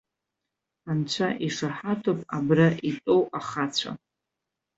Анцәа ишаҳаҭуп абра итәоу ахацәа.